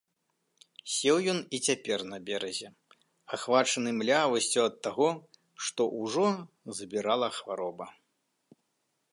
Сеў ён і цяпер на беразе, ахвачаны млявасцю ад таго, што ўжо забірала хвароба.